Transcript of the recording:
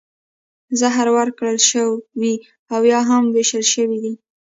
زهر ورکړل شوي او یا هم ویشتل شوي دي